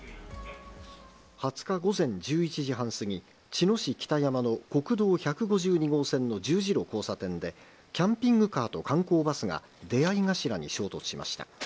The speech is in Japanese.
２０日午前１１時半過ぎ、茅野市北山の国道１５２号線の十字路交差点で、キャンピングカーと観光バスが出会い頭に衝突しました。